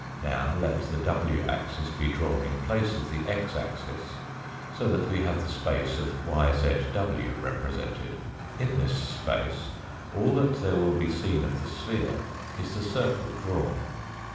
Now, let the w axis be drawn in place of the x axis so that Fig. ll (139). we have the space of yzw represented. In this space all that there will be seen of the sphere is the circle drawn.